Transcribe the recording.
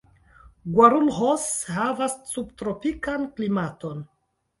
Guarulhos havas subtropikan klimaton.